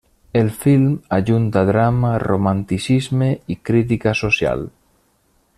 El film ajunta drama, romanticisme i crítica social.